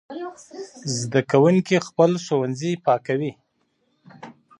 زده کوونکي خپل ښوونځي پاکوي.